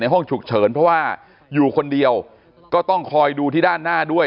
ห้องฉุกเฉินเพราะว่าอยู่คนเดียวก็ต้องคอยดูที่ด้านหน้าด้วย